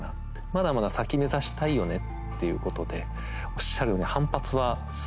まだまだ先目指したいよねっていうことでおっしゃるように反発はすごくあったんですけど。